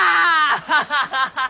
アハハハ！